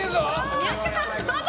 宮近さん、どうぞ！